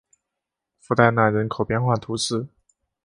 弗代纳人口变化图示